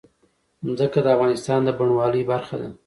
ځمکه د افغانستان د بڼوالۍ برخه ده.